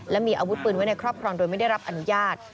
และมีอาวุธปืนไว้ในครอบครองโดยไม่ได้รับอนุญาต